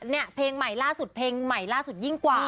เนี่ยเพลงใหม่ล่าสุดเพลงใหม่ล่าสุดยิ่งกว่า